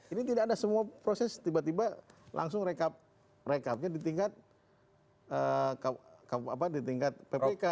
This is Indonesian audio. ini tidak ada semua proses tiba tiba langsung rekapnya di tingkat ppk